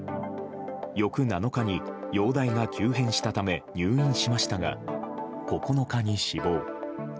翌７日に容体が急変したため入院しましたが９日に死亡。